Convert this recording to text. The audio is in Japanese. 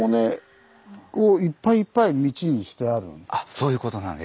そういうことなんです。